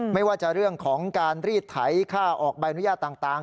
ไม่ว่าจะเรื่องของการรีดไถค่าออกใบอนุญาตต่าง